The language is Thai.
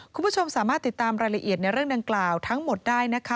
คุณผู้ชมสามารถติดตามรายละเอียดในเรื่องดังกล่าวทั้งหมดได้นะคะ